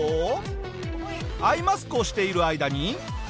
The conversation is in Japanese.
アイマスクをしている間に。